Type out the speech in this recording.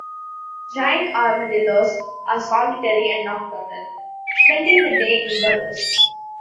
Giant armadillos are solitary and nocturnal, spending the day in burrows.